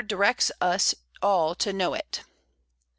directs us all to know it.